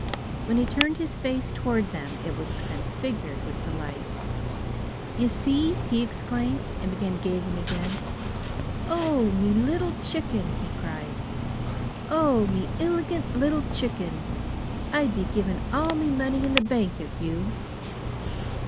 When he turned his face toward them it was transfigured with delight. "You see!" he exclaimed, and began gazing again. "Oh, me Little Chicken!" he cried. "Oh me ilegant Little Chicken! I'd be giving all me money in the bank for you!"